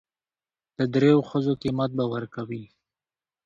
د درېو ښځو قيمت به ور کوي.